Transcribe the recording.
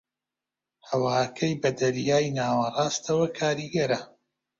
ھەواکەی بە دەریای ناوەڕاستەوە کاریگەرە